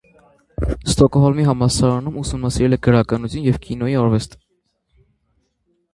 Ստոկոհոլմի համալսարանում ուսումնասիրել է գրականություն և կինոյի արվեստ։